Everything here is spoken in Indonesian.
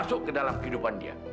kamu akan ke dalam kehidupan dia